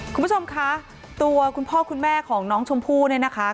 คุณผู้ชมคะตัวคุณพ่อคุณแม่ของน้องชมพู่เนี่ยนะคะ